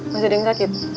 masih dingin sakit